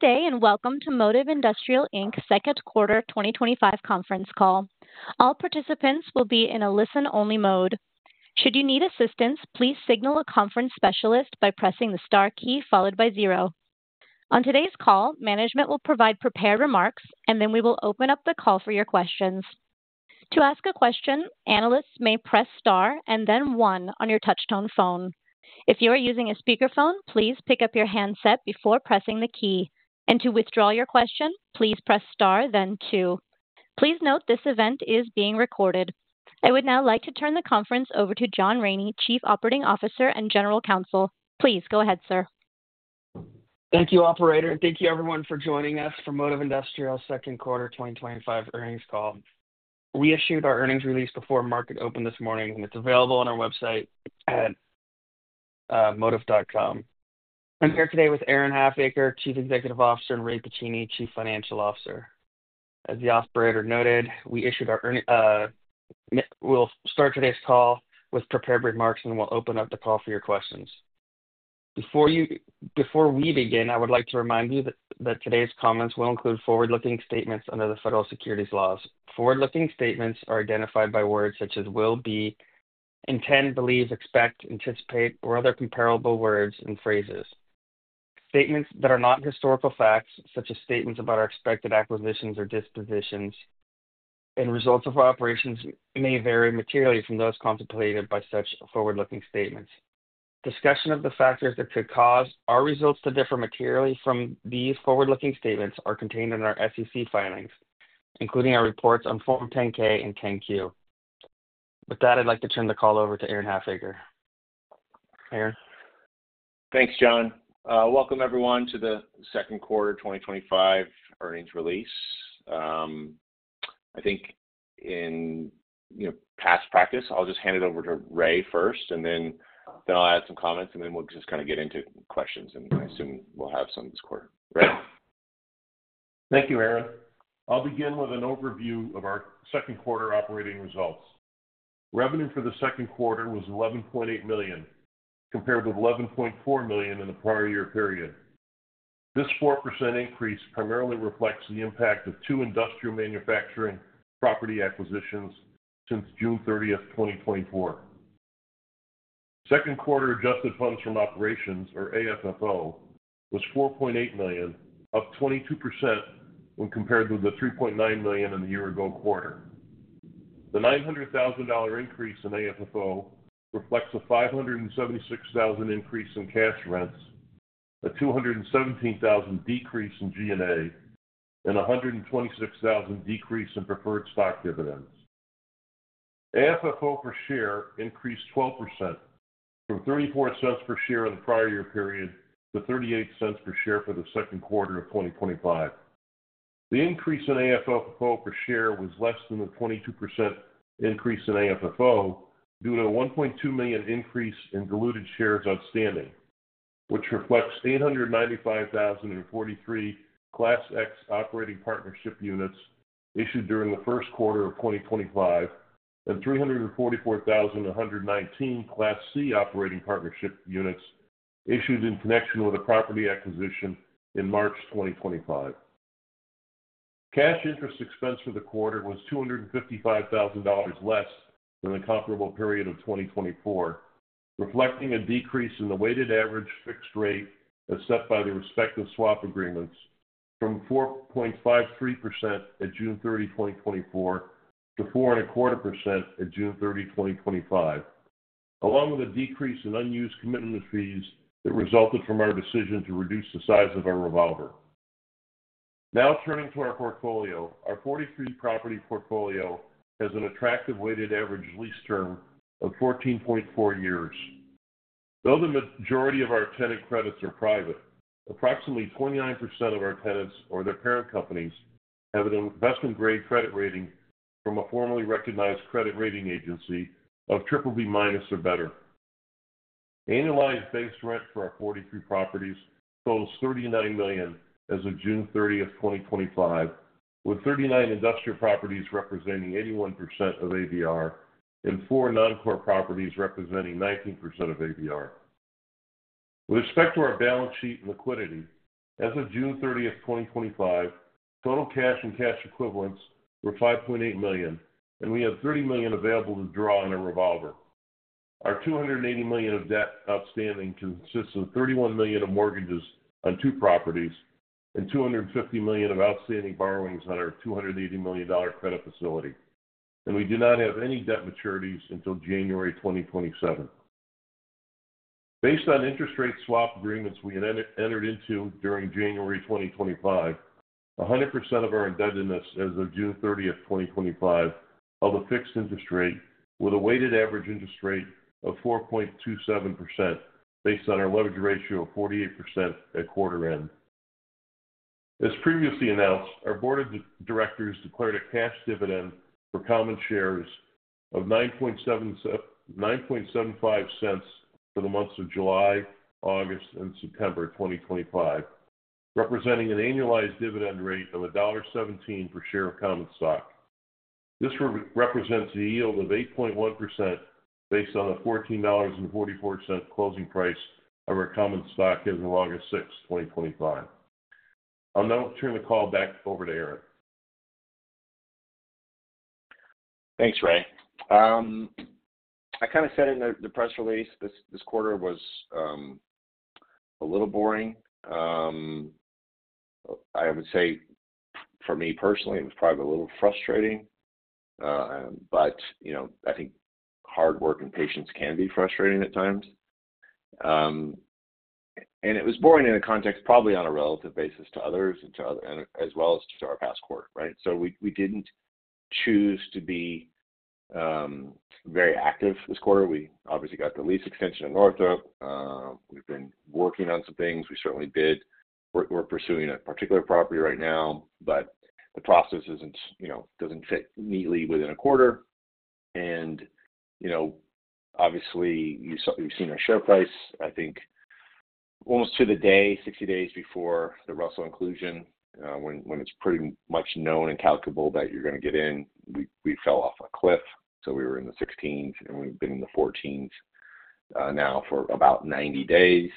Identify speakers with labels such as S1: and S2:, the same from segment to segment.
S1: Today, and welcome to Modiv Industrial Inc.'s Second Quarter 2025 Conference Call. All participants will be in a listen-only mode. Should you need assistance, please signal a conference specialist by pressing the star key followed by zero. On today's call, management will provide prepared remarks, and then we will open up the call for your questions. To ask a question, analysts may press star and then one on your touchtone phone. If you are using a speakerphone, please pick up your handset before pressing the key. To withdraw your question, please press star then two. Please note this event is being recorded. I would now like to turn the conference over to John Raney, Chief Operating Officer and General Counsel. Please go ahead, sir.
S2: Thank you, Operator, and thank you everyone for joining us for Modiv Industrial's Second Quarter 2025 Earnings Call. We issued our earnings release before market open this morning, and it's available on our website at modiv.com. I'm here today with Aaron Halfacre, Chief Executive Officer, and Ray Pacini, Chief Financial Officer. As the Operator noted, we issued our earnings. We'll start today's call with prepared remarks, and then we'll open up the call for your questions. Before we begin, I would like to remind you that today's comments will include forward-looking statements under the Federal Securities Laws. Forward-looking statements are identified by words such as "will be," "intend," "believe," "expect," "anticipate," or other comparable words and phrases. Statements that are not historical facts, such as statements about our expected acquisitions or dispositions and results of our operations, may vary materially from those contemplated by such forward-looking statements. Discussion of the factors that could cause our results to differ materially from these forward-looking statements are contained in our SEC filings, including our reports on Form 10-K and 10-Q. With that, I'd like to turn the call over to Aaron Halfacre. Aaron?
S3: Thanks, John. Welcome everyone to the Second Quarter 2025 Earnings Release. I think in past practice, I'll just hand it over to Ray first, and then I'll add some comments, and then we'll just get into questions. I assume we'll have some this quarter. Ray?
S4: Thank you, Aaron. I'll begin with an overview of our second quarter operating results. Revenue for the second quarter was $11.8 million, compared with $11.4 million in the prior year period. This 4% increase primarily reflects the impact of two industrial manufacturing property acquisitions since June 30, 2024. Second quarter adjusted funds from operations, or AFFO, was $4.8 million, up 22% when compared to the $3.9 million in the year-ago quarter. The $900,000 increase in AFFO reflects a $576,000 increase in cash rents, a $217,000 decrease in G&A, and a $126,000 decrease in preferred stock dividends. AFFO per share increased 12%, from $0.34 per share in the prior year period to $0.38 per share for the second quarter of 2025. The increase in AFFO per share was less than the 22% increase in AFFO due to a 1.2 million increase in diluted shares outstanding, which reflects 895,043 Class X operating partnership units issued during the first quarter of 2025 and 344,119 Class C operating partnership units issued in connection with a property acquisition in March 2025. Cash interest expense for the quarter was $255,000 less than the comparable period of 2024, reflecting a decrease in the weighted average fixed rate as set by the respective swap agreements from 4.53% at June 30, 2024 to 4.25% at June 30, 2025, along with a decrease in unused commitment fees that resulted from our decision to reduce the size of our revolver. Now turning to our portfolio, our 43-property portfolio has an attractive weighted average lease term of 14.4 years. Though the majority of our tenant credits are private, approximately 29% of our tenants or their parent companies have an investment-grade credit rating from a formally recognized credit rating agency of BBB- or better. Annualized base rent for our 43 properties totals $39 million as of June 30, 2025, with 39 industrial properties representing 81% of AVR and 4 non-core properties representing 19% of AVR. With respect to our balance sheet and liquidity, as of June 30, 2025, total cash and cash equivalents were $5.8 million, and we have $30 million available to draw on a revolver. Our $280 million of debt outstanding consists of $31 million of mortgages on two properties and $250 million of outstanding borrowings on our $280 million credit facility. We do not have any debt maturities until January 2027. Based on interest rate swap agreements we entered into during January 2025, 100% of our indebtedness as of June 30, 2025, is at a fixed interest rate with a weighted average interest rate of 4.27% based on our leverage ratio of 48% at quarter end. As previously announced, our Board of Directors declared a cash dividend for common shares of $0.975 for the months of July, August, and September 2025, representing an annualized dividend rate of $1.17 per share of common stock. This represents a yield of 8.1% based on the $14.44 closing price of our common stock as of August 6, 2025. I'll now turn the call back over to Aaron.
S3: Thanks, Ray. I kind of said in the press release this quarter was a little boring. I would say for me personally, it was probably a little frustrating. I think hard work and patience can be frustrating at times. It was boring in a context probably on a relative basis to others, as well as to our past quarter, right? We didn't choose to be very active this quarter. We obviously got the lease extension at Northville. We've been working on some things. We certainly did. We're pursuing a particular property right now, but the process doesn't fit neatly within a quarter. Obviously, you've seen our share price, I think, almost to the day, 60 days before the Russell inclusion, when it's pretty much known and calculable that you're going to get in. We fell off a cliff. We were in the $16s, and we've been in the $14s now for about 90 days.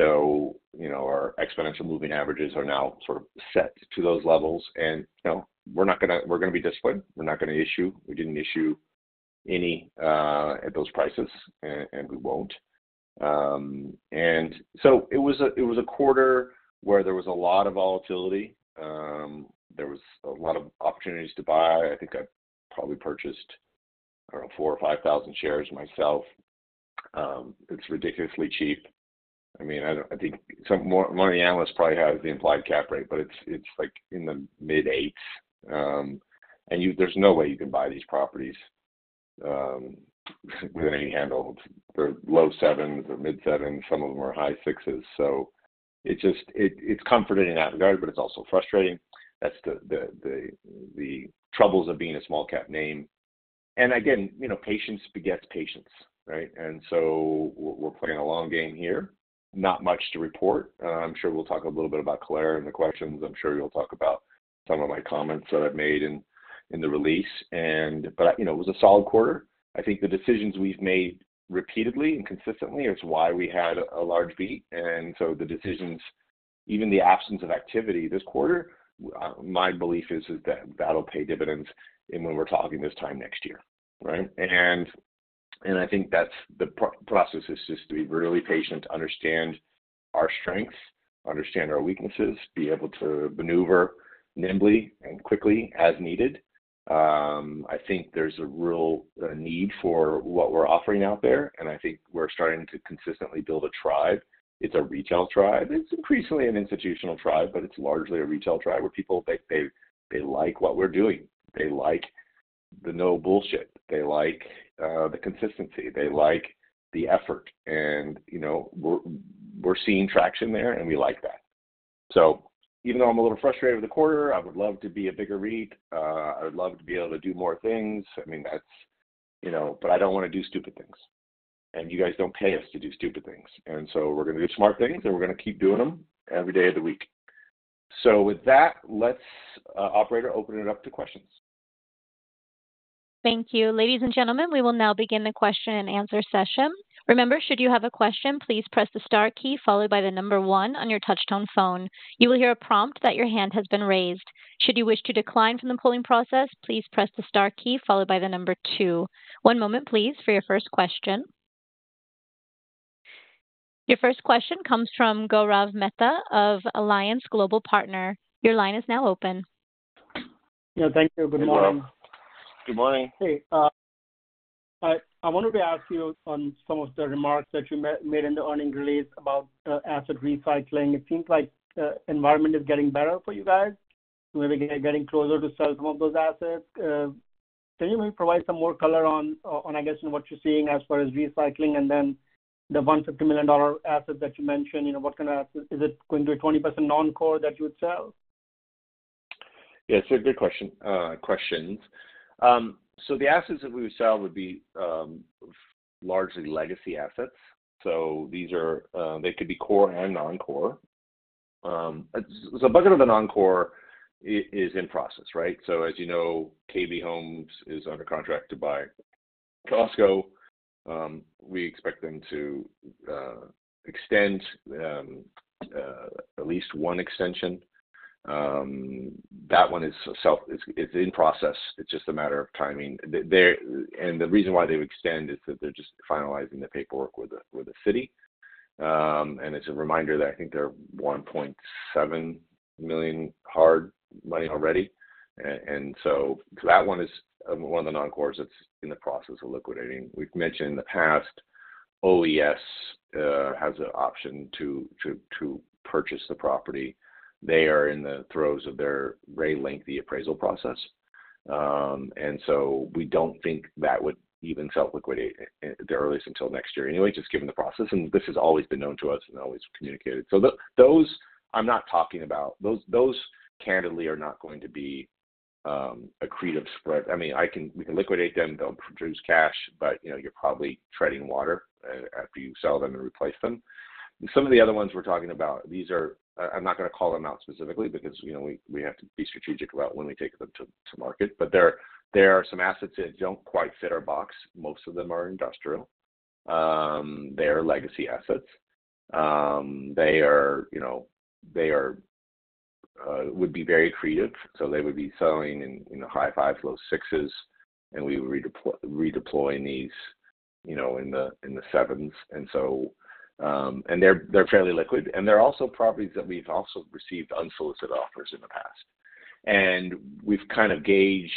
S3: Our exponential moving averages are now sort of set to those levels. We're not going to be disciplined. We're not going to issue. We didn't issue any at those prices, and we won't. It was a quarter where there was a lot of volatility. There was a lot of opportunities to buy. I think I probably purchased, I don't know, 4,000 or 5,000 shares myself. It's ridiculously cheap. I think some more of the analysts probably have the implied cap rate, but it's like in the mid-8s. There's no way you can buy these properties with any handle for low 7s or mid-7s. Some of them are high 6s. It's comforting in that regard, but it's also frustrating. That's the troubles of being a small-cap name. Patience begets patience, right? We're playing a long game here. Not much to report. I'm sure we'll talk a little bit about Clara in the questions. I'm sure you'll talk about some of my comments that I've made in the release. It was a solid quarter. I think the decisions we've made repeatedly and consistently are why we had a large beat. The decisions, even the absence of activity this quarter, my belief is that that'll pay dividends in when we're talking this time next year, right? I think the process is just to be really patient, to understand our strengths, understand our weaknesses, be able to maneuver nimbly and quickly as needed. I think there's a real need for what we're offering out there. I think we're starting to consistently build a tribe. It's a retail tribe. It's increasingly an institutional tribe, but it's largely a retail tribe where people, they like what we're doing. They like the no bullshit. They like the consistency. They like the effort. You know we're seeing traction there, and we like that. Even though I'm a little frustrated with the quarter, I would love to be a bigger REIT. I would love to be able to do more things. I mean, that's, you know, but I don't want to do stupid things. You guys don't pay us to do stupid things. We're going to do smart things, and we're going to keep doing them every day of the week. With that, Operator, open it up to questions.
S1: Thank you. Ladies and gentlemen, we will now begin the question and answer session. Remember, should you have a question, please press the star key followed by the number one on your touchtone phone. You will hear a prompt that your hand has been raised. Should you wish to decline from the polling process, please press the star key followed by the number two. One moment, please, for your first question. Your first question comes from Gaurav Mehta of Alliance Global Partners. Your line is now open.
S5: Thank you. Good morning.
S3: Morning.
S4: Good morning.
S5: Hey. I wanted to ask you on some of the remarks that you made in the earnings release about asset recycling. It seems like the environment is getting better for you guys. We're getting closer to sell some of those assets. Can you maybe provide some more color on, I guess, in what you're seeing as far as recycling and then the $150 million asset that you mentioned? What kind of assets is it going to be, 20% non-core that you would sell?
S3: Yeah, it's a good question. The assets that we would sell would be largely legacy assets. These could be core and non-core. A bunch of the non-core is in process, right? As you know, KB Home is under contract to buy Costco. We expect them to extend at least one extension. That one is itself in process. It's just a matter of timing. The reason why they would extend is that they're just finalizing the paperwork with the city. It's a reminder that I think they're $1.7 million hard money already. That one is one of the non-cores that's in the process of liquidating. We've mentioned in the past, OES has an option to purchase the property. They are in the throes of their very lengthy appraisal process. We don't think that would even self-liquidate at the earliest until next year anyway, just given the process. This has always been known to us and always communicated. Those, I'm not talking about, those candidly are not going to be accretive spread. We can liquidate them. They'll produce cash, but you know you're probably treading water after you sell them and replace them. Some of the other ones we're talking about, these are, I'm not going to call them out specifically because you know we have to be strategic about when we take them to market. There are some assets that don't quite fit our box. Most of them are industrial. They're legacy assets. They would be very accretive. They would be selling in the high fives, low sixes, and we were redeploying these in the sevens. They're fairly liquid. There are also properties that we've received unsolicited offers on in the past. We've kind of gauged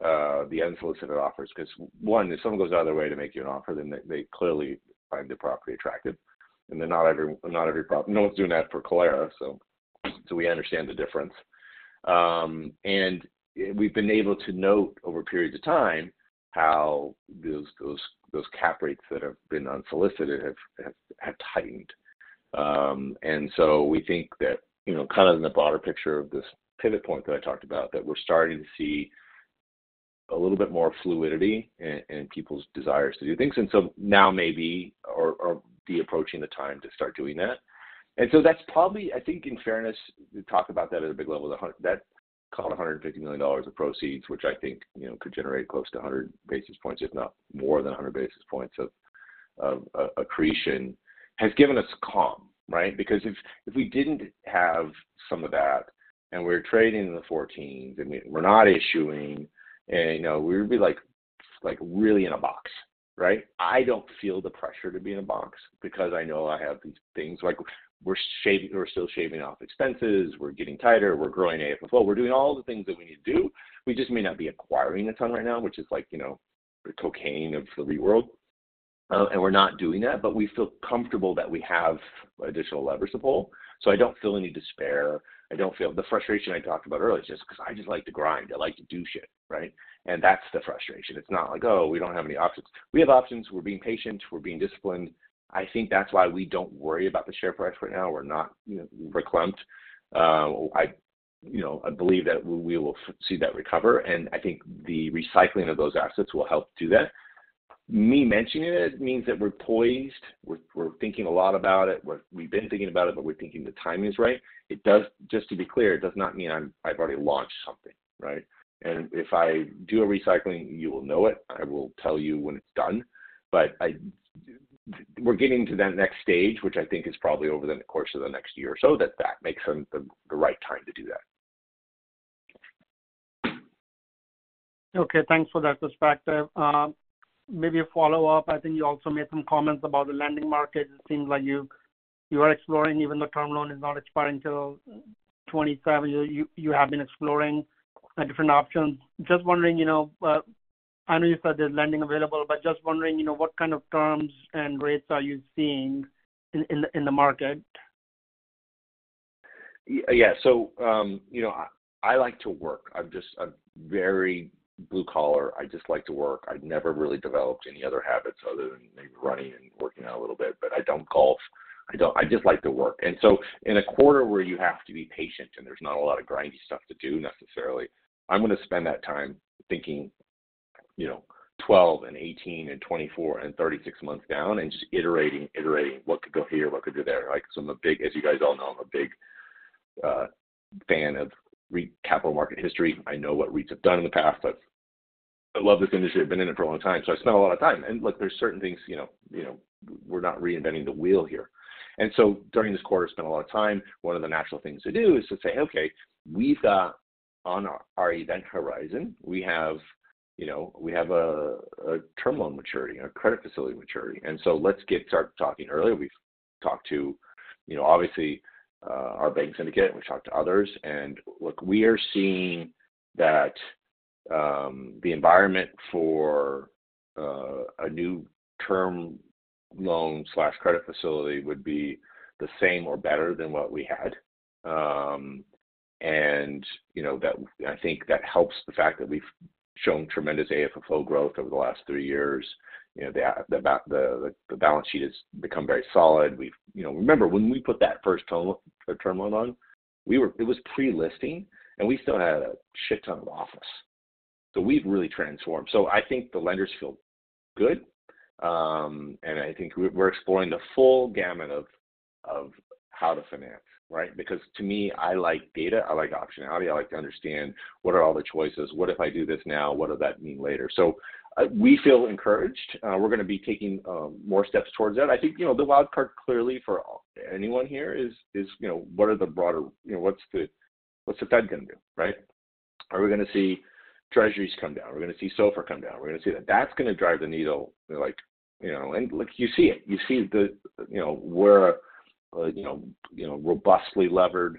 S3: the unsolicited offers because if someone goes out of their way to make you an offer, then they clearly find the property attractive. Not every property, no one's doing that for Clara, so we understand the difference. We've been able to note over a period of time how those cap rates that have been unsolicited have tightened. We think that in the broader picture of this pivot point that I talked about, we're starting to see a little bit more fluidity in people's desires to do things. Now maybe we're approaching the time to start doing that. That's probably, I think, in fairness, we talk about that at a big level, that call it $150 million of proceeds, which I think could generate close to 100 basis points, if not more than 100 basis points of accretion, has given us calm, right? If we didn't have some of that, and we're trading in the 14s, and we're not issuing, we'd be like really in a box, right? I don't feel the pressure to be in a box because I know I have these things. We're still shaving off expenses, we're getting tighter, we're growing AFFO, we're doing all the things that we need to do. We just may not be acquiring a ton right now, which is like the cocaine of the real world. We're not doing that, but we feel comfortable that we have additional levers to pull. I don't feel any despair. I don't feel the frustration I talked about earlier, it's just because I just like to grind. I like to do shit, right? That's the frustration. It's not like, oh, we don't have any options. We have options. We're being patient. We're being disciplined. I think that's why we don't worry about the share price right now. We're not, you know, reclamped. I believe that we will see that recover. I think the recycling of those assets will help do that. Me mentioning it means that we're poised. We're thinking a lot about it. We've been thinking about it, but we're thinking the timing is right. Just to be clear, it does not mean I've already launched something, right? If I do a recycling, you will know it. I will tell you when it's done. We're getting to that next stage, which I think is probably over the course of the next year or so, that makes the right time to do that.
S5: Okay, thanks for that perspective. Maybe a follow-up. I think you also made some comments about the lending market. It seems like you are exploring even though the term loan is not expiring until 2027. You have been exploring different options. Just wondering, you know, I know you said there's lending available, but just wondering what kind of terms and rates are you seeing in the market?
S3: Yeah, you know, I like to work. I'm just very blue-collar. I just like to work. I never really developed any other habits other than maybe running and working out a little bit, but I don't golf. I just like to work. In a quarter where you have to be patient and there's not a lot of grindy stuff to do necessarily, I'm going to spend that time thinking, you know, 12 and 18 and 24 and 36 months down and just iterating, iterating what could go here, what could go there. As you guys all know, I'm a big fan of capital market history. I know what REITs have done in the past. I love this industry. I've been in it for a long time. I spent a lot of time. There's certain things, you know, we're not reinventing the wheel here. During this quarter, I spent a lot of time. One of the natural things to do is to say, okay, we've got on our event horizon, we have a term loan maturity, a credit facility maturity. Let's get started talking earlier. We've talked to, obviously, our bank syndicate, and we've talked to others. We are seeing that the environment for a new term loan/credit facility would be the same or better than what we had. I think that helps the fact that we've shown tremendous AFFO growth over the last three years. The balance sheet has become very solid. Remember when we put that first term loan on, it was pre-listing, and we still had a shit ton of office. We've really transformed. I think the lenders feel good. I think we're exploring the full gamut of how to finance, right? Because to me, I like data. I like optionality. I like to understand what are all the choices. What if I do this now? What does that mean later? We feel encouraged. We're going to be taking more steps towards that. I think the wildcard clearly for anyone here is, what are the broader, what's the Fed going to do, right? Are we going to see Treasuries come down? Are we going to see SOFR come down? Are we going to see that? That's going to drive the needle. You see it. We're a robustly levered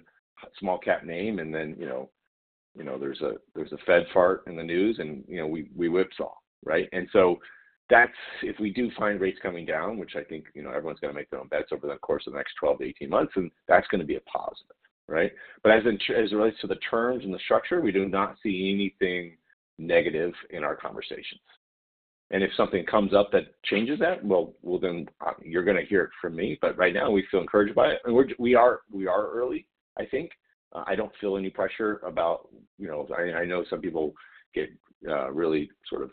S3: small-cap name. There's a Fed fart in the news, and we whipsaw, right? If we do find rates coming down, which I think everyone's going to make their own bets over the course of the next 12 to 18 months, that's going to be a positive, right? As it relates to the terms and the structure, we do not see anything negative in our conversations. If something comes up that changes that, you're going to hear it from me. Right now, we feel encouraged by it. We are early, I think. I don't feel any pressure about, you know, I know some people get really sort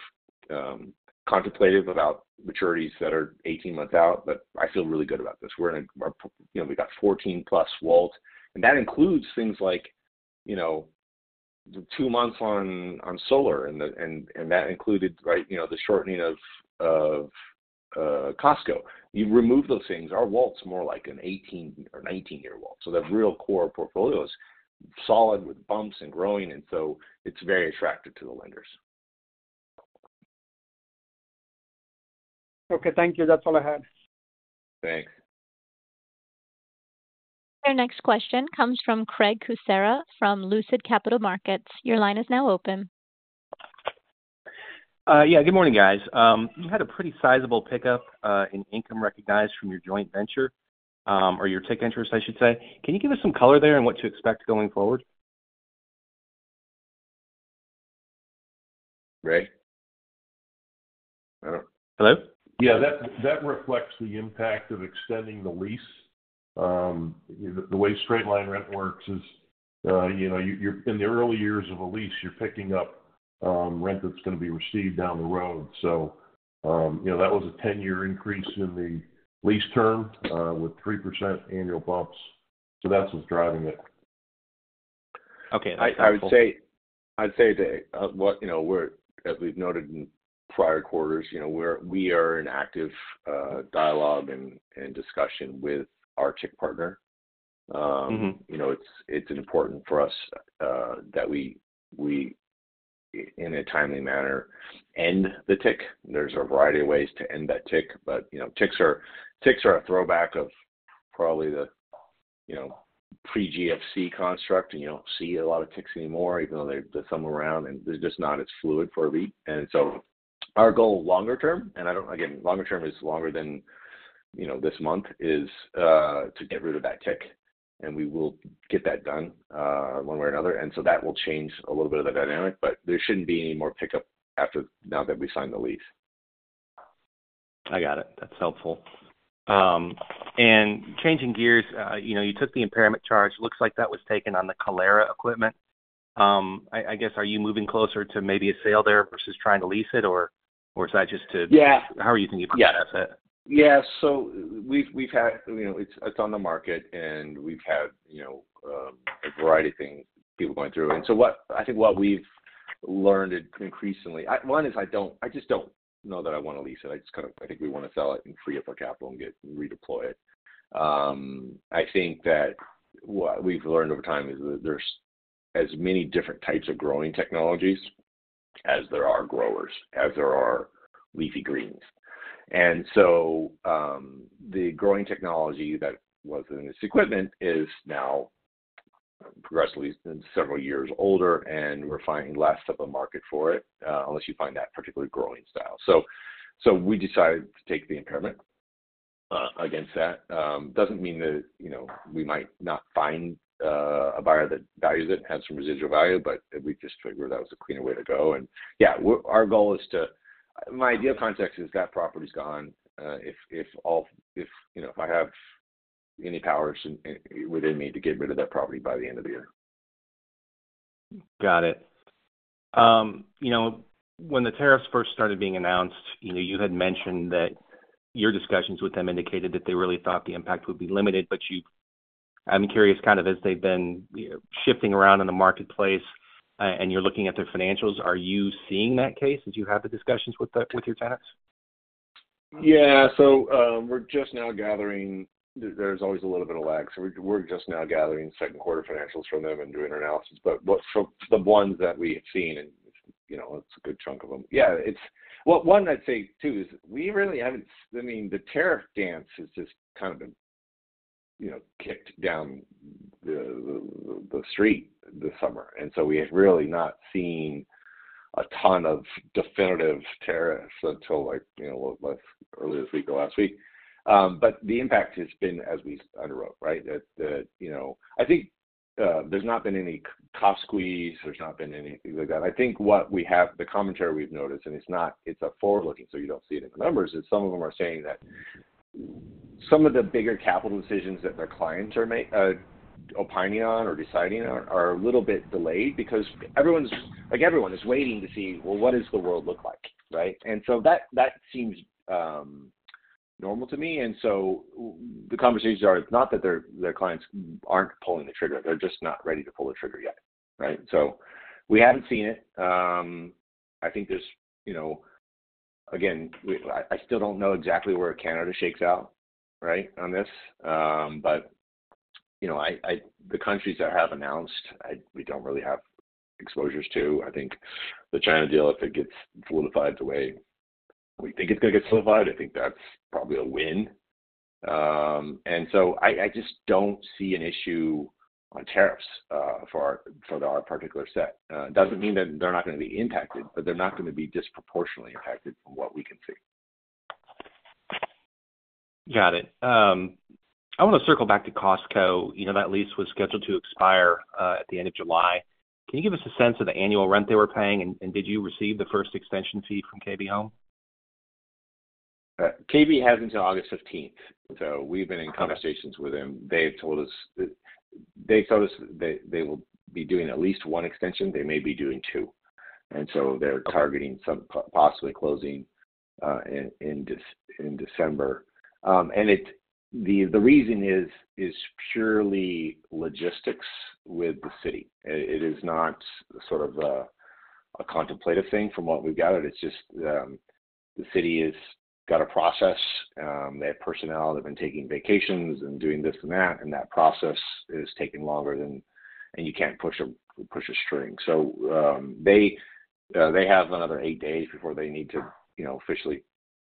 S3: of contemplative about maturities that are 18 months out, but I feel really good about this. We're in, you know, we've got 14+ WALT, and that includes things like two months on solar, and that included the shortening of Costco. You remove those things, our weighted average lease term is more like an 18 or 19-year WALT. The real core portfolio is solid with bumps and growing, and it's very attractive to the lenders.
S5: Okay, thank you. That's all I had.
S3: Thanks.
S1: Our next question comes from Craig Gerald Kucera from Lucid Capital Markets. Your line is now open.
S6: Good morning, guys. You had a pretty sizable pickup in income recognized from your joint venture, or your TIC interest, I should say. Can you give us some color there and what to expect going forward?
S3: Ray?
S4: Hello? Yeah, that reflects the impact of extending the lease. The way straight-line rent works is, you know, you're in the early years of a lease, you're picking up rent that's going to be received down the road. That was a 10-year increase in the lease term with 3% annual bumps. That's what's driving it.
S3: Okay. I would say that, as we've noted in prior quarters, we are in active dialogue and discussion with our TIC partner. It's important for us that we, in a timely manner, end the TIC. There's a variety of ways to end that TIC, but TICs are a throwback of probably the pre-GFC construct, and you don't see a lot of TICs anymore, even though there are some around, and they're just not as fluid for a beat. Our goal longer term, and again, longer term is longer than this month, is to get rid of that TIC. We will get that done one way or another. That will change a little bit of the dynamic, but there shouldn't be any more pickup after now that we signed the lease.
S6: I got it. That's helpful. Changing gears, you took the impairment charge. It looks like that was taken on the Calera equipment. I guess, are you moving closer to maybe a sale there versus trying to lease it, or is that just to, yeah, how are you thinking about that asset?
S3: Yeah, so it's on the market, and we've had a variety of things, people going through. What I think we've learned increasingly, one is I don't, I just don't know that I want to lease it. I just kind of, I think we want to sell it and free up our capital and get redeploy it. I think that what we've learned over time is that there's as many different types of growing technologies as there are growers, as there are leafy greens. The growing technology that was in this equipment is now regressively several years older, and we're finding less of a market for it unless you find that particular growing style. We decided to take the impairment against that. It doesn't mean that we might not find a buyer that values it, have some residual value, but we just figured that was a cleaner way to go. Our goal is to, my ideal context is that property's gone. If I have any powers within me to get rid of that property by the end of the year.
S6: Got it. When the tariffs first started being announced, you had mentioned that your discussions with them indicated that they really thought the impact would be limited. I'm curious, as they've been shifting around in the marketplace and you're looking at their financials, are you seeing that case? Do you have the discussions with your tenants?
S3: Yeah, we're just now gathering, there's always a little bit of lag. We're just now gathering second quarter financials from them and doing our analysis. The ones that we have seen, and it's a good chunk of them, it's, well, one I'd say too is we really haven't, I mean, the tariff dance has just kind of been kicked down the street this summer. We have really not seen a ton of definitive tariffs until, like, as early as last week. The impact has been as we underwrote, right? I think there's not been any cuff squeeze. There's not been anything like that. What we have, the commentary we've noticed, and it's a forward-looking, so you don't see it in the numbers, is some of them are saying that some of the bigger capital decisions that the clients are opining on or deciding on are a little bit delayed because everyone is waiting to see, well, what does the world look like, right? That seems normal to me. The conversations are, it's not that their clients aren't pulling the trigger. They're just not ready to pull the trigger yet, right? We haven't seen it. I think this, again, I still don't know exactly where Canada shakes out on this. The countries that have announced, we don't really have exposures to. I think the China deal, if it gets solidified the way we think it's going to get solidified, I think that's probably a win. I just don't see an issue on tariffs for our particular set. It doesn't mean that they're not going to be impacted, but they're not going to be disproportionately impacted from what we can see.
S6: Got it. I want to circle back to Costco. You know, that lease was scheduled to expire at the end of July. Can you give us a sense of the annual rent they were paying? Did you receive the first extension fee from KB Home?
S3: KB hasn't until August 15. We've been in conversations with them. They have told us that they will be doing at least one extension. They may be doing two. They're targeting possibly closing in December. The reason is purely logistics with the city. It is not sort of a contemplative thing from what we've gathered. It's just the city has got a process. They have personnel that have been taking vacations and doing this and that. That process is taking longer than you can't push a string. They have another eight days before they need to officially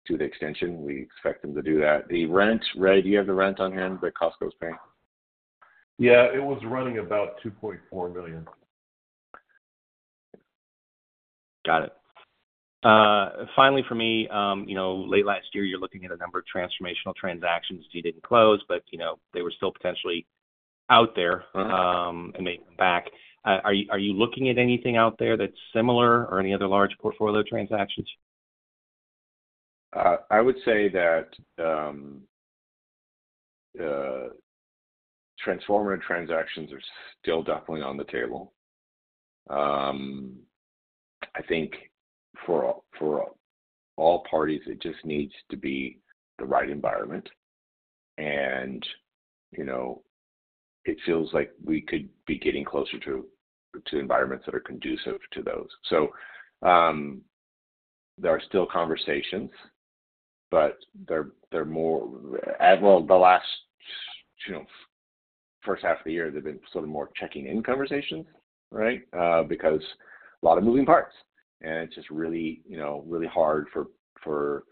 S3: do the extension. We expect them to do that. The rent, Ray, do you have the rent on hand that Costco's paying?
S4: Yeah, it was running about $2.4 million.
S6: Got it. Finally, for me, late last year, you're looking at a number of transformational transactions deeded and closed, but they were still potentially out there and made them back. Are you looking at anything out there that's similar or any other large portfolio transactions?
S3: I would say that transformer transactions are still definitely on the table. I think for all parties, it just needs to be the right environment. It feels like we could be getting closer to environments that are conducive to those. There are still conversations, but the last first half of the year, they've been sort of more checking in conversations, right? Because a lot of moving parts. It's just really hard for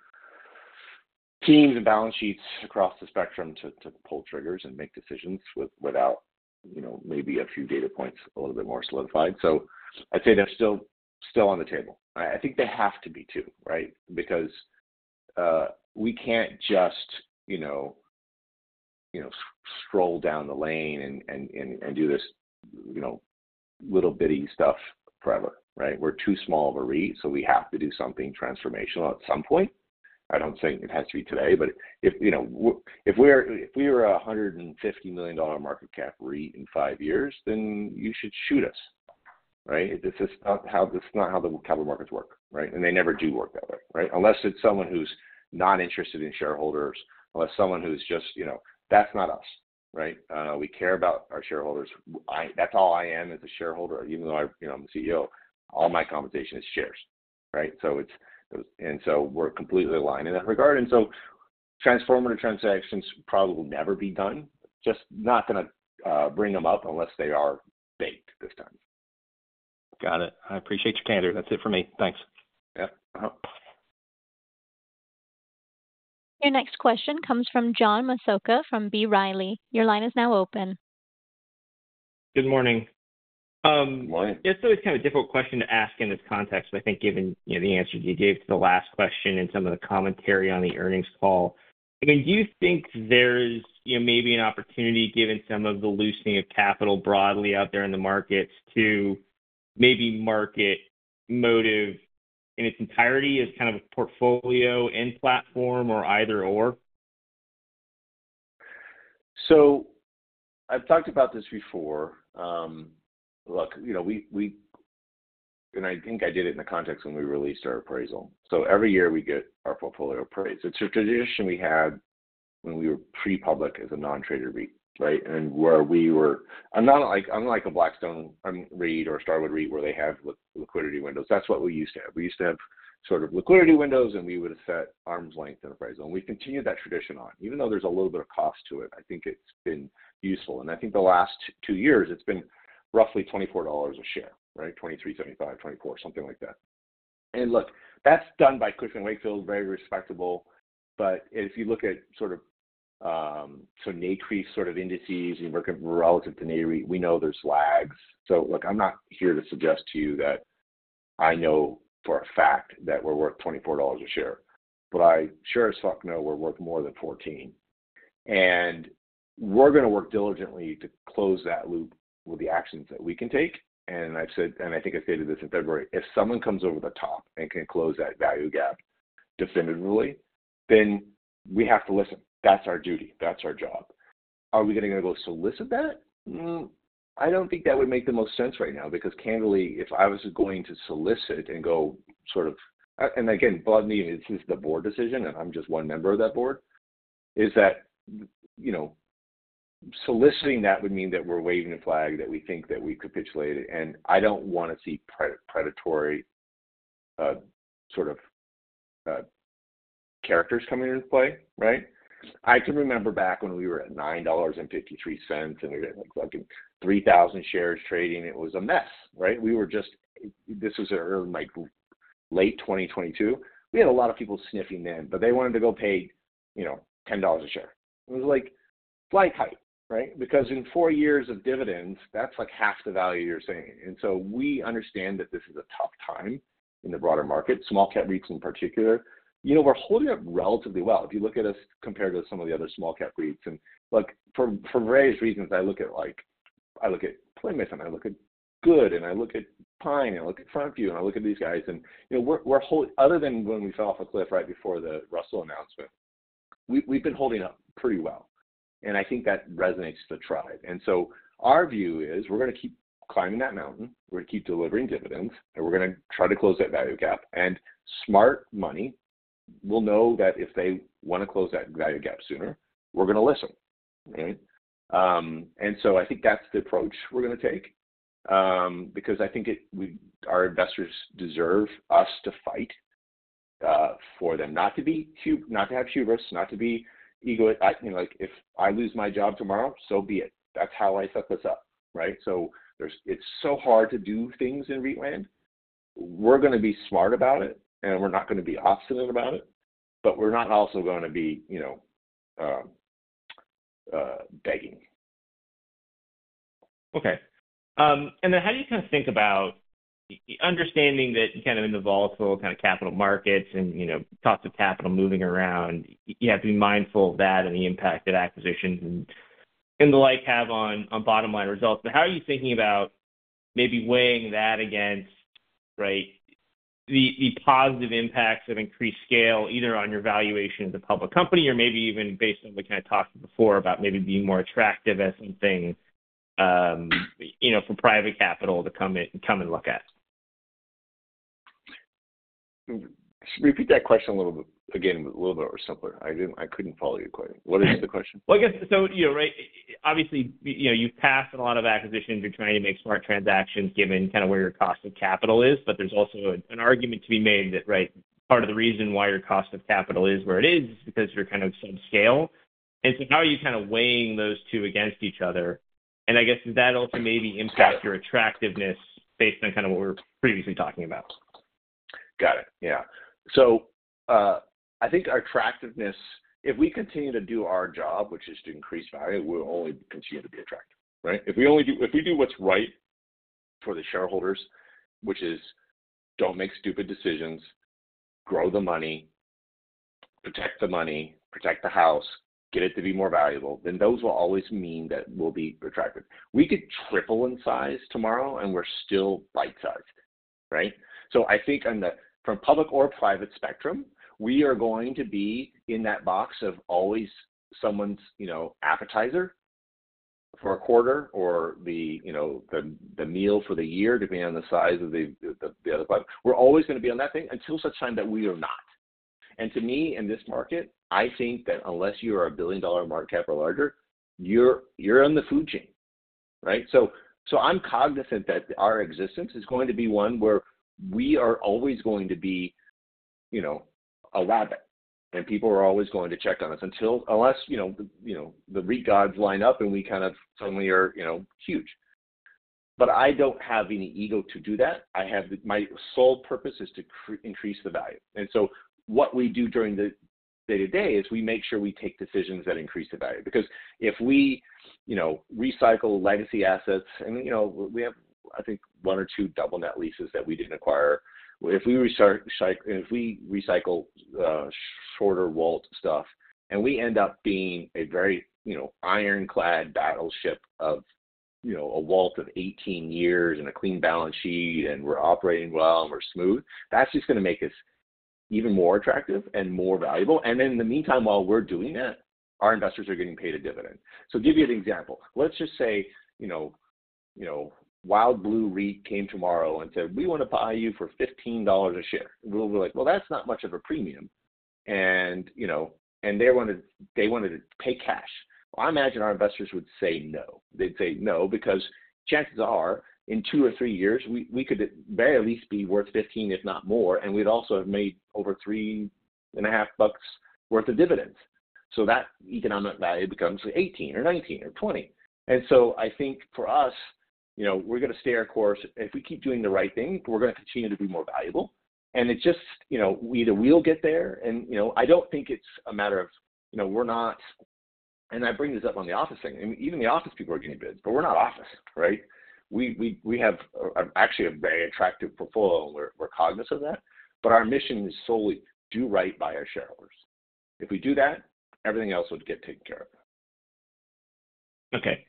S3: teams and balance sheets across the spectrum to pull triggers and make decisions without maybe a few data points a little bit more solidified. I'd say they're still on the table. I think they have to be too, right? We can't just stroll down the lane and do this little bitty stuff forever, right? We're too small of a REIT, so we have to do something transformational at some point. I don't think it has to be today, but if we're a $150 million market cap REIT in five years, then you should shoot us, right? This is not how the capital markets work, right? They never do work that way, right? Unless it's someone who's not interested in shareholders, unless someone who's just, that's not us, right? We care about our shareholders. That's all I am as a shareholder, even though I'm the CEO. All my compensation is shares, right? We're completely aligned in that regard. Transformative transactions probably will never be done. Just not going to bring them up unless they are baked this time.
S6: Got it. I appreciate your color. That's it for me. Thanks.
S3: Yeah.
S1: Your next question comes from John James Massocca from B. Riley. Your line is now open.
S7: Good morning.
S3: Morning.
S7: Yeah, so it's kind of a difficult question to ask in this context, but I think given the answers you gave to the last question and some of the commentary on the earnings call, do you think there's maybe an opportunity given some of the loosening of capital broadly out there in the markets to maybe market Modiv in its entirety as kind of a portfolio and platform or either/or? I've talked about this before. Look, we, and I think I did it in the context when we released our appraisal. Every year we get our portfolio appraised. The tradition we had when we were pre-public as a non-traded REIT, right? I'm not like a Blackstone REIT or a Starwood REIT where they have liquidity windows. That's what we used to have. We used to have sort of liquidity windows, and we would have set arm's length of appraisal.
S3: We've continued that tradition on. Even though there's a little bit of cost to it, I think it's been useful. I think the last two years, it's been roughly $24 a share, $23.75, $24, something like that. Look, that's done by Cushman & Wakefield, very respectable. If you look at sort of NAREIT indices, you look at relative to NAREIT, we know there's lags. I'm not here to suggest to you that I know for a fact that we're worth $24 a share. I sure as fuck know we're worth more than $14. We're going to work diligently to close that loop with the actions that we can take. I've said, and I think I stated this in February, if someone comes over the top and can close that value gap definitively, then we have to listen. That's our duty. That's our job. Are we going to go solicit that? I don't think that would make the most sense right now because candidly, if I was going to solicit and go sort of, and again, it's just the board decision, and I'm just one member of that board, soliciting that would mean that we're waving a flag that we think that we capitulated. I don't want to see predatory sort of characters coming into play, right? I can remember back when we were at $9.53 and we had like 3,000 shares trading. It was a mess, right? This was in late 2022. We had a lot of people sniffing then, but they wanted to go pay $10 a share. It was like flying a kite, right? Because in four years of dividends, that's like half the value you're saying. We understand that this is a tough time in the broader market, small-cap REITs in particular. You know, we're holding up relatively well. If you look at us compared to some of the other small-cap REITs, for various reasons, I look at Playmason, I look at Good, I look at Pine, and I look at Frontview, and I look at these guys. You know, we're holding, other than when we fell off a cliff right before the Russell announcement, we've been holding up pretty well. I think that resonates with the tribe. Our view is we're going to keep climbing that mountain. We're going to keep delivering dividends, and we're going to try to close that value gap. Smart money will know that if they want to close that value gap sooner, we're going to listen, right? I think that's the approach we're going to take because I think our investors deserve us to fight, for them not to be, not to have hubris, not to be egoist. I think like if I lose my job tomorrow, so be it. That's how I set this up, right? It's so hard to do things in REIT land. We're going to be smart about it, and we're not going to be obstinate about it, but we're not also going to be, you know, begging.
S7: Okay. How do you kind of think about the understanding that in the volatile capital markets and, you know, talk of capital moving around, you have to be mindful of that and the impact that acquisitions and the like have on bottom line results? How are you thinking about maybe weighing that against the positive impacts of increased scale either on your valuation as a public company or maybe even based on what you kind of talked before about maybe being more attractive as something for private capital to come in and look at?
S3: Could you repeat that question a little bit simpler? I couldn't follow your question. What is the question?
S7: Obviously, you've passed in a lot of acquisitions. You're trying to make smart transactions given kind of where your cost of capital is. There's also an argument to be made that part of the reason why your cost of capital is where it is is because you're kind of subscale. How are you kind of weighing those two against each other? I guess that'll maybe impact your attractiveness based on kind of what we were previously talking about.
S3: Got it. Yeah. I think our attractiveness, if we continue to do our job, which is to increase value, will only continue to be attractive, right? If we do what's right for the shareholders, which is don't make stupid decisions, grow the money, protect the money, protect the house, get it to be more valuable, then those will always mean that we'll be attractive. We could triple in size tomorrow, and we're still bite-sized, right? I think on the from public or private spectrum, we are going to be in that box of always someone's, you know, appetizer for a quarter or the, you know, the meal for the year, depending on the size of the other bucket. We're always going to be on that thing until such time that we are not. To me, in this market, I think that unless you are a billion-dollar market cap or larger, you're on the food chain, right? I'm cognizant that our existence is going to be one where we are always going to be, you know, a rabbit, and people are always going to check on us unless, you know, the REIT gods line up and we kind of suddenly are, you know, huge. I don't have any ego to do that. My sole purpose is to increase the value. What we do during the day-to-day is we make sure we take decisions that increase the value. If we, you know, recycle legacy assets, and you know, we have, I think, one or two double net leases that we didn't acquire. If we recycle, if we shorter WALT stuff, and we end up being a very, you know, ironclad battleship of, you know, a WALT of 18 years and a clean balance sheet, and we're operating well and we're smooth, that's just going to make us even more attractive and more valuable. In the meantime, while we're doing that, our investors are getting paid a dividend. I'll give you an example. Let's just say, you know, WildBlue REIT came tomorrow and said, "We want to buy you for $15 a share." We'll be like, "That's not much of a premium." You know, and they wanted to pay cash. I imagine our investors would say no. They'd say no because chances are in two or three years, we could at the very least be worth $15, if not more, and we'd also have made over $3.50 worth of dividends. That economic value becomes $18 or $19 or $20. I think for us, you know, we're going to stay our course. If we keep doing the right thing, we're going to continue to be more valuable. We will get there. I don't think it's a matter of we're not. I bring this up on the office thing, and even the office people are getting bidded, but we're not office, right? We have actually a very attractive portfolio, and we're cognizant of that. Our mission is solely to do right by our shareholders. If we do that, everything else would get taken care of.
S7: Okay.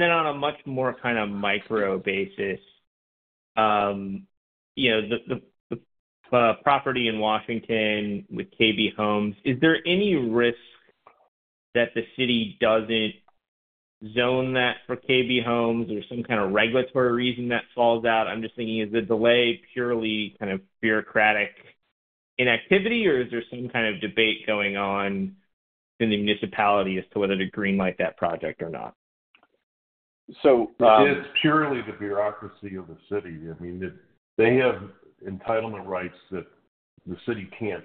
S7: On a much more kind of micro basis, you know, the property in Washington with KB Home, is there any risk that the city doesn't zone that for KB Home? Is there some kind of regulatory reason that falls out? I'm just thinking, is the delay purely kind of bureaucratic inactivity, or is there some kind of debate going on in the municipality as to whether to greenlight that project or not?
S4: It is purely the bureaucracy of the city. I mean, they have entitlement rights that the city can't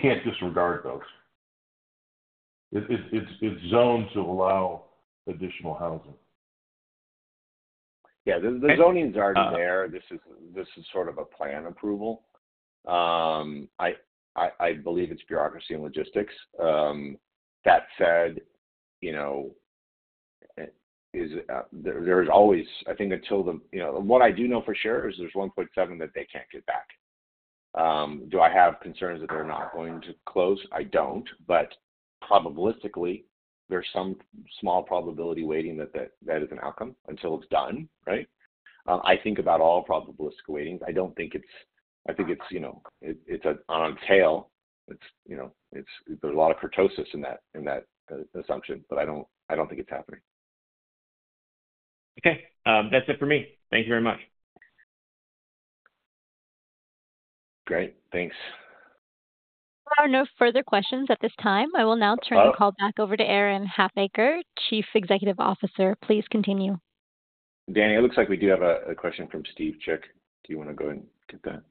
S4: just disregard. It's zoned to allow additional housing.
S3: Yeah, the zoning is already there. This is sort of a plan approval. I believe it's bureaucracy and logistics. That said, there's always, I think until the, you know, what I do know for sure is there's $1.7 million that they can't get back. Do I have concerns that they're not going to close? I don't. Probabilistically, there's some small probability weighting that that is an outcome until it's done, right? I think about all probabilistic weightings. I don't think it's, I think it's, you know, it's an unknown tail. There's a lot of kurtosis in that assumption, but I don't think it's happening.
S7: Okay, that's it for me. Thank you very much.
S3: Great. Thanks.
S1: I have no further questions at this time. I will now turn the call back over to Aaron Halfacre, Chief Executive Officer. Please continue.
S3: Danny, it looks like we do have a question from Steve Chick. Do you want to go ahead and get that?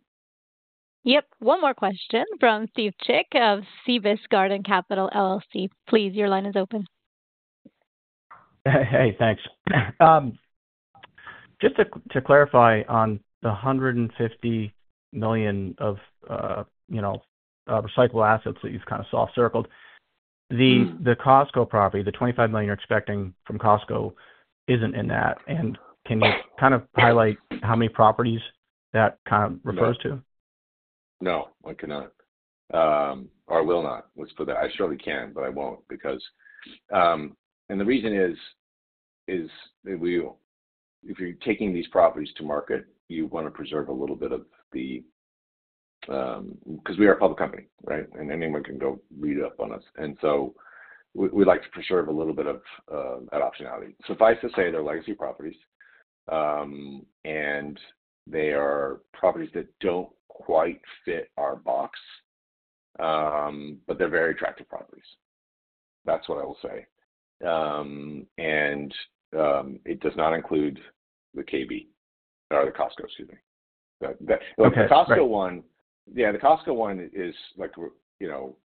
S1: Yep. One more question from Stevw Chick of Sebis Garden Capital LLC. Please, your line is open.
S8: Hey, thanks. Just to clarify on the $150 million of recyclable assets that you kind of saw circled, the Costco property, the $25 million you're expecting from Costco isn't in that. Can you kind of highlight how many properties that refers to?
S2: No, I cannot. Or I will not. I surely can, but I won't because, and the reason is if you're taking these properties to market, you want to preserve a little bit of the, because we are a public company, right? Anyone can go read up on us. We like to preserve a little bit of that optionality. Suffice to say, they're legacy properties, and they are properties that don't quite fit our box, but they're very attractive properties. That's what I will say. It does not include the KB or the Costco, excuse me. The Costco one, yeah, the Costco one is like, you know,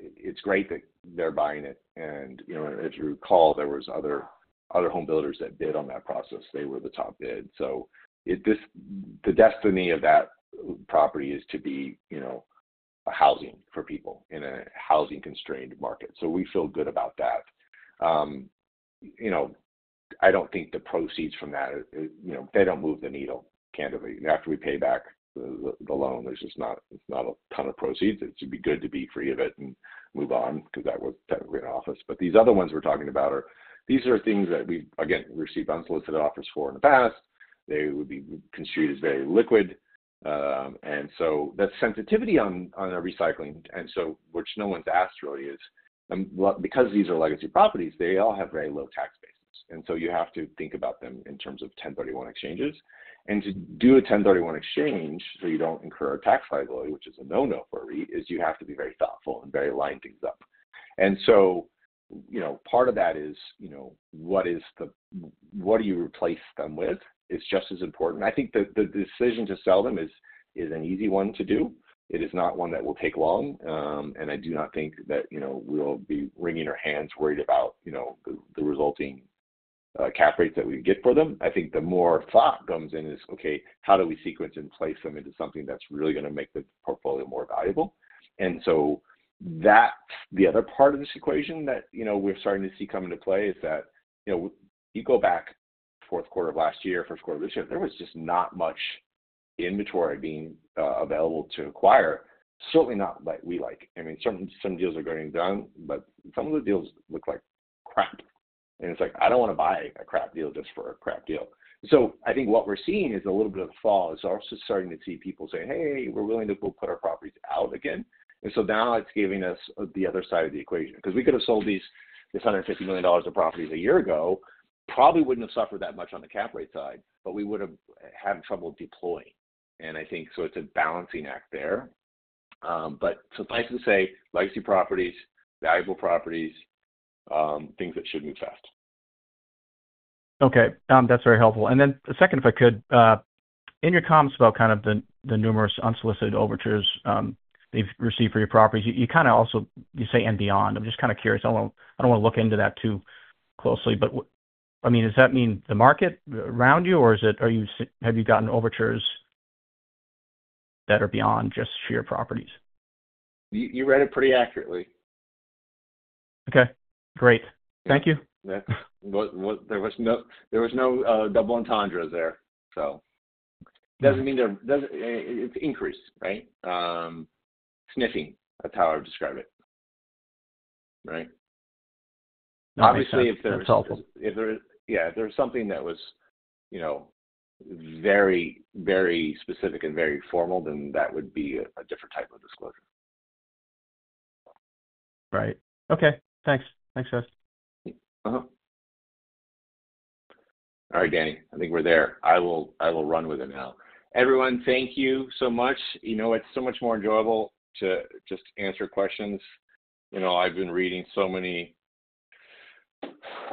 S2: it's great that they're buying it. If you recall, there were other home builders that bid on that process. They were the top bid. The destiny of that property is to be, you know, a housing for people in a housing-constrained market. We feel good about that. I don't think the proceeds from that, you know, they don't move the needle, candidly. After we pay back the loan, there's just not a ton of proceeds. It should be good to be free of it and move on because that would get an office. These other ones we're talking about are, these are things that we, again, received unsolicited offers for in the past. They would be construed as very liquid. That sensitivity on a recycling, and so which no one's asked really is, and because these are legacy properties, they all have very low tax bases. You have to think about them in terms of 1031 exchanges. To do a 1031 exchange so you don't incur a tax liability, which is a no-no for a REIT, you have to be very thoughtful and very aligned things up. Part of that is, you know, what is the, what do you replace them with? It's just as important. I think that the decision to sell them is an easy one to do. It is not one that will take long. I do not think that, you know, we'll be wringing our hands worried about, you know, the resulting cap rates that we get for them. I think the more thought comes in is, okay, how do we sequence and place them into something that's really going to make the portfolio more valuable? That's the other part of this equation that, you know, we're starting to see come into play is that, you know, you go back to the fourth quarter of last year, first quarter of this year, there was just not much inventory being available to acquire. Certainly not like we like. I mean, certain deals are getting done, but some of the deals look like crap. I don't want to buy a crap deal just for a crap deal. I think what we're seeing is a little bit of a fall. I'm also starting to see people say, "Hey, we're willing to go put our properties out again." Now it's giving us the other side of the equation because we could have sold these $150 million of properties a year ago, probably wouldn't have suffered that much on the cap rate side, but we would have had trouble deploying. I think it's a balancing act there. Suffice to say, legacy properties, valuable properties, things that should move fast.
S8: Okay, that's very helpful. Second, if I could, in your comments about the numerous unsolicited overtures you've received for your properties, you also say and beyond. I'm just curious. I don't want to look into that too closely, but does that mean the market around you, or have you gotten overtures that are beyond just your properties?
S3: You read it pretty accurately.
S8: Okay, great. Thank you. Yeah.
S3: There was no double entendres there. It doesn't mean there doesn't, it's increase, right? Sniffing, that's how I would describe it. Obviously, if there's something that was very, very specific and very formal, then that would be a different type of disclosure.
S8: Right. Okay. Thanks. Thanks, Aaron.
S3: All right, Danny, I think we're there. I will run with it now. Everyone, thank you so much. You know, it's so much more enjoyable to just answer questions. I've been reading so many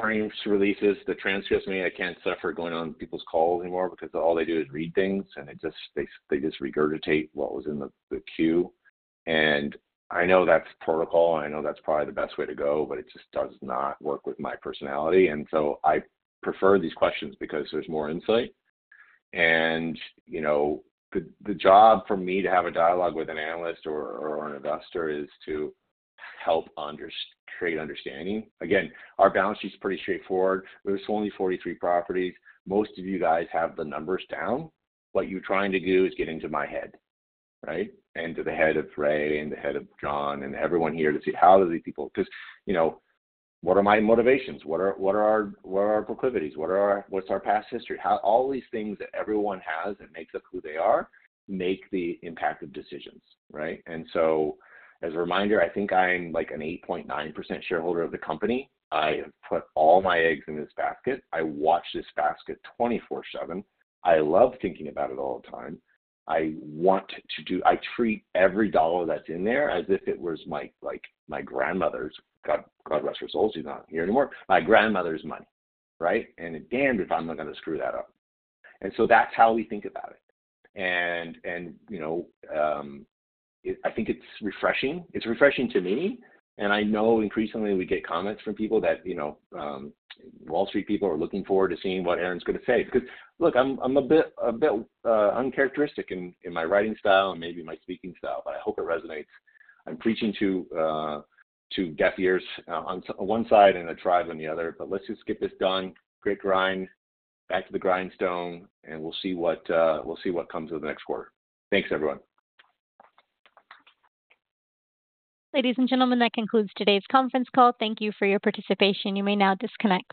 S3: claims releases, the transcripts. I can't suffer going on people's calls anymore because all they do is read things, and it just, they just regurgitate what was in the queue. I know that's protocol, and I know that's probably the best way to go, but it just does not work with my personality. I prefer these questions because there's more insight. The job for me to have a dialogue with an analyst or an investor is to help create understanding. Again, our balance sheet is pretty straightforward. There's only 43 properties. Most of you guys have the numbers down. What you're trying to do is get into my head, right? And to the head of Ray and the head of John and everyone here to see how do these people, because you know, what are my motivations? What are our proclivities? What's our past history? How all these things that everyone has that makes up who they are make the impact of decisions, right? As a reminder, I think I'm like an 8.9% shareholder of the company. I have put all my eggs in this basket. I watch this basket 24/7. I love thinking about it all the time. I want to do, I treat every dollar that's in there as if it was my, like my grandmother's, God bless her soul, she's not here anymore, my grandmother's money, right? Damned if I'm not going to screw that up. That's how we think about it. I think it's refreshing. It's refreshing to me. I know increasingly we get comments from people that, you know, Wall Street people are looking forward to seeing what Aaron's going to say. Look, I'm a bit uncharacteristic in my writing style and maybe my speaking style, but I hope it resonates. I'm preaching to deaf ears on one side and a tribe on the other, but let's just get this done. Great grind. Back to the grindstone. We'll see what comes with the next quarter. Thanks, everyone.
S1: Ladies and gentlemen, that concludes today's conference call. Thank you for your participation. You may now disconnect.